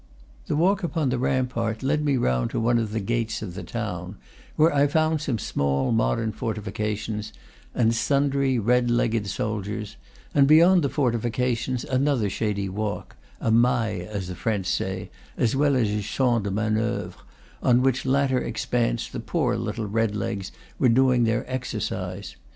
The walk upon the rampart led me round to one of the gatesi of the town, where I found some small modern, fortifications and sundry red legged soldiers, and, beyond the fortifications, another shady walk, a mail, as the French say, as well as a champ de manoeuvre, on which latter expanse the poor little red legs were doing their exercise.